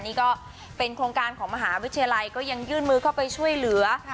นี่ก็เป็นโครงการของมหาวิทยาลัยก็ยังยื่นมือเข้าไปช่วยเหลือ